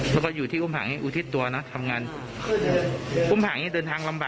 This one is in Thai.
เท่าที่ทราบเลยเห็นเมื่อวานยังไม่รู้สึกตัวนะครับ